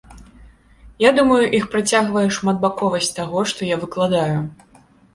Я думаю, іх прыцягвае шматбаковасць таго, што я выкладаю.